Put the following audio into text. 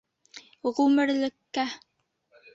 Ғүмерлеккә!